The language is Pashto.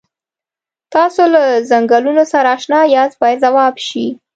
تاسو له څنګلونو سره اشنا یاست باید ځواب شي.